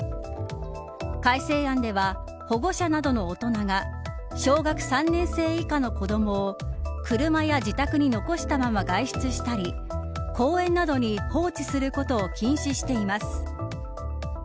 改正案では保護者などの大人が小学３年生以下の子どもを車や自宅に残したまま外出したり公園などに放置することを禁止しています。